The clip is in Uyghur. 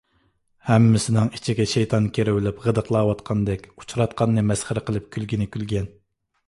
ھەممىسىنىڭ ئىچىگە شەيتان كىرىۋېلىپ غىدىقلاۋاتقاندەك ئۇچىراتقاننى مەسخىرە قىلىپ كۈلگىنى كۈلگەن.